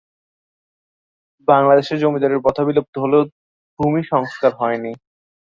বাংলাদেশে জমিদারি প্রথা বিলুপ্ত হলেও ভূমি সংস্কার হয়নি।